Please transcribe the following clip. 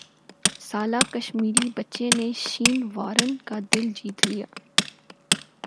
سالہ کشمیری بچے نے شین وارن کا دل جیت لیا